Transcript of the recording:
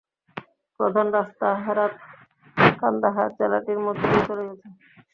প্রধান রাস্তা হেরাত-কান্দাহার জেলাটির মধ্য দিয়ে চলে গেছে।